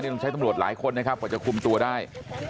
ต้องใช้ตำรวจหลายคนนะครับกว่าจะคุมตัวได้